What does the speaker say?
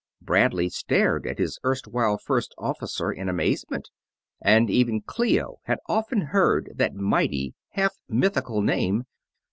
Bradley stared at his erstwhile first officer in amazement, and even Clio had often heard that mighty, half mythical name.